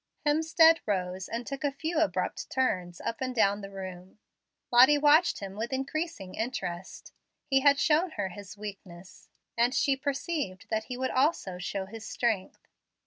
Hemstead rose and took a few abrupt turns up and down the room. Lottie watched him with increasing interest. He had shown her his weakness, and she perceived that he would also show his strength.